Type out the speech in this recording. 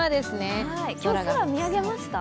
今日、空見上げました？